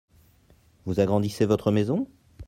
Vous agrandissez votre maison ?